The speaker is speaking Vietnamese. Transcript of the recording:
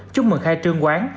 chúc mừng khai trương quán